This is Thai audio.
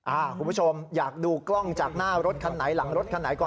คุณผู้ชมอยากดูกล้องจากหน้ารถคันไหนหลังรถคันไหนก่อน